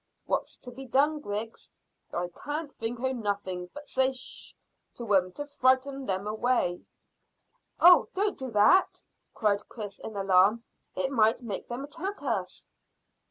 "What's to be done, Griggs?" "I can't think o' nothing but say Sh! to 'em to frighten them away." "Oh, don't do that," cried Chris, in alarm. "It might make them attack us."